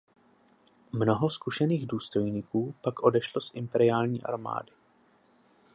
Mnoho zkušených důstojníků pak odešlo z imperiální armády.